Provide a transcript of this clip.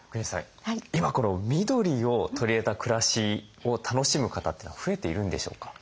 今この緑を取り入れた暮らしを楽しむ方というのは増えているんでしょうか？